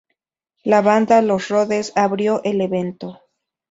La banda Los Rhodes abrió el evento.